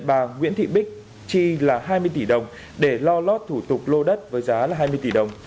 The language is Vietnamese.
bà nguyễn thị bích chi là hai mươi tỷ đồng để lo lót thủ tục lô đất với giá là hai mươi tỷ đồng